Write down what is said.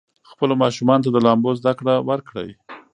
خپلو ماشومانو ته د لامبو زده کړه ورکړئ.